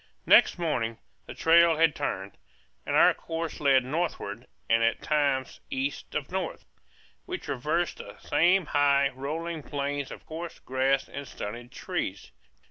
Next morning the trail had turned, and our course led northward and at times east of north. We traversed the same high, rolling plains of coarse grass and stunted trees.